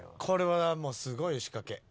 これはもうすごいよ仕掛け。